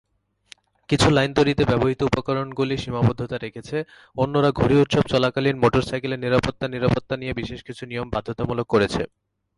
কিছু লাইন তৈরিতে ব্যবহৃত উপকরণগুলির সীমাবদ্ধতা রেখেছে, অন্যরা ঘুড়ি উৎসব চলাকালীন মোটরসাইকেলের নিরাপত্তা নিরাপত্তা নিয়ে কিছু বিশেষ নিয়ম বাধ্যতামূলক করেছে।